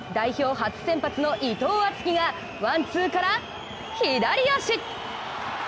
初先発の伊藤敦樹がワン、ツーから左足。